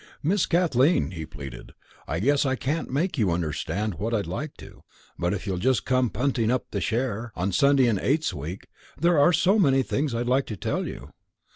"Miss Kathleen," he pleaded, "I guess I can't make you understand what I'd like to. But if you'll just come punting up the Cher, on Sunday in Eights Week, there are so many things I'd like to tell you."